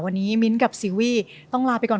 วันนี้มิ้นท์กับซีวี่ต้องลาไปก่อน